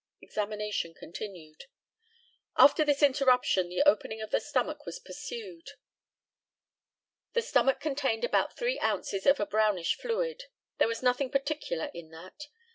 Examination continued: After this interruption the opening of the stomach was pursued. The stomach contained about three ounces of a brownish fluid. There was nothing particular in that.